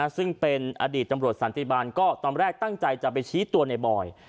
ซึ่งเป็นอดีตตำรวจสันติบาลก็ตอนแรกตั้งใจจะไปชี้ตัวในบอย